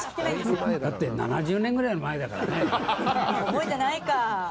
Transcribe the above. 覚えてないか。